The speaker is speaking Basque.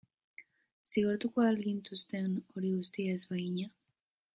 Zigortuko al gintuzten hori guztia ez bagina?